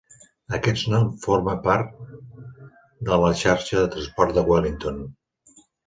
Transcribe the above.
Aquests no forme part de la xarxa de transport de Wellington.